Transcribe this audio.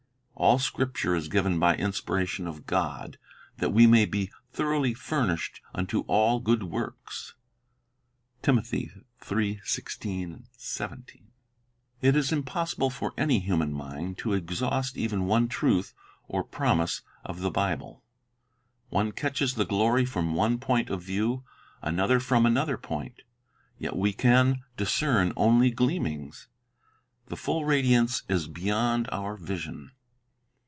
"All Scripture is given by inspiration of God," that we may be "thoroughly furnished unto all good works."" It is impossible for any human mind to exhaust even one truth or promise of the Bible. One catches the glory from one point of view, another from another point; yet we can discern only gleamings. The full radiance is beyond our vision.